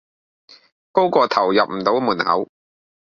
高過頭入唔到門口